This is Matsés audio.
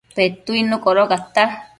Petuidnu codocata